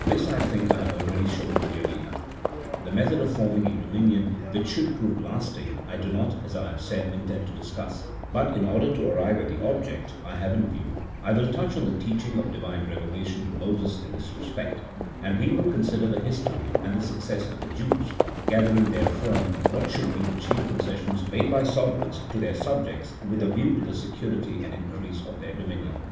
This, I think, I have already shown clearly enough. The method of forming a dominion which should prove lasting I do not, as I have said, intend to discuss, but in order to arrive at the object I have in view, I will touch on the teaching of Divine revelation to Moses in this respect, and we will con sider the history and the success of the Jews, gathering therefrom what should be the chief concessions made by sovereigns to their subjects with a view to the security and increase of their dominion.